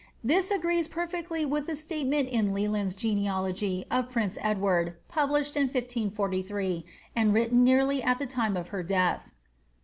This agrees perfectly with a statement in Le ]and'*8 genealogy of prince Edward, published in 1 5 13, and written nearly at the time of her death.